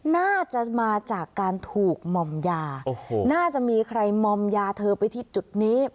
น่าจะมาจากการถูกหม่อมยาโอ้โหน่าจะมีใครมอมยาเธอไปที่จุดนี้